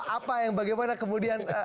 apa yang bagaimana kemudian